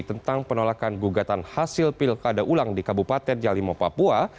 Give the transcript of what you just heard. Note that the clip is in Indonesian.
tentang penolakan gugatan hasil pilkada ulang di kabupaten jalima papua